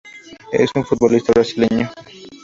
Es un futbolista brasileño.